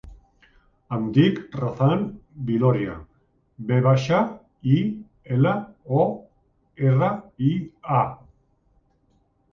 Em dic Razan Viloria: ve baixa, i, ela, o, erra, i, a.